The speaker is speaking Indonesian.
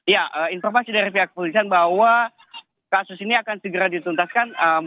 ya informasi dari pihak polisian bahwa kasus ini akan segera dituntaskan